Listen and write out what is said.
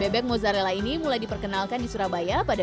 bebek mozzarella ini mulai diperkenalkan di surabaya pada dua ribu tiga belas